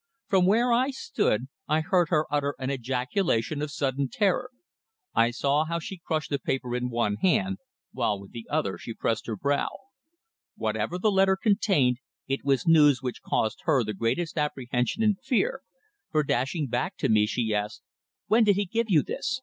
From where I stood I heard her utter an ejaculation of sudden terror. I saw how she crushed the paper in one hand while with the other she pressed her brow. Whatever the letter contained it was news which caused her the greatest apprehension and fear, for dashing back to me she asked: "When did he give you this?